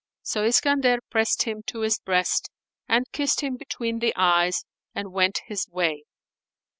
So Iskandar pressed him to his breast and kissed him between the eyes and went his way.